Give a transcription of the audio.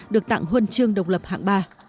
được tặng huân chương độc lập hạng ba